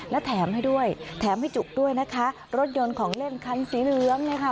และแถมให้จุกด้วยรถยนต์ของเล่นคันสีเหลือม